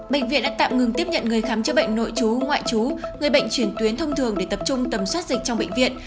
bệnh viện đã tạm ngừng tiếp nhận người khám chữa bệnh nội chú ngoại chú người bệnh chuyển tuyến thông thường để tập trung tầm soát dịch trong bệnh viện